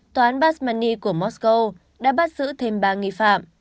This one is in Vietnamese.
tòa án basmany của moscow đã bắt giữ thêm ba nghi phạm